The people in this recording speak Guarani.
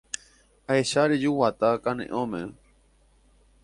Ahecha reju guata kane'õme.